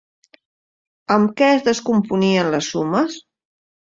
Amb què es descomponien les sumes?